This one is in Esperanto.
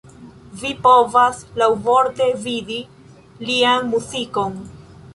Vi povas laŭvorte vidi lian muzikon.